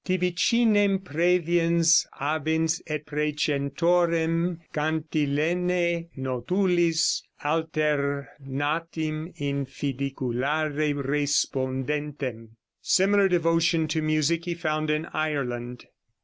["Tibicinem præviens habens et precentorem cantilenæ notulis alternatim in fidiculare respondentem."] Similar devotion to music he found in Ireland.